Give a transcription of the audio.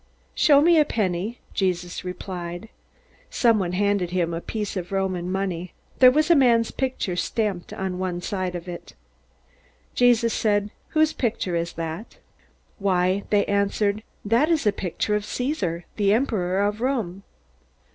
"Show me a penny," Jesus replied. Someone handed him a piece of Roman money. There was a man's picture stamped on one side of it. Jesus said, "Whose picture is that?" "Why," they answered, "that is a picture of Caesar, the emperor of Rome."